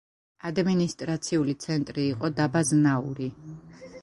ადმინისტრაციული ცენტრი იყო დაბა ზნაური.